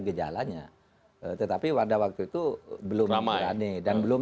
gejalanya tetapi pada waktu itu belum